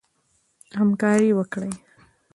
همکاري وکړئ.